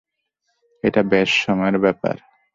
এটা ব্যস সময়ের ব্যাপার।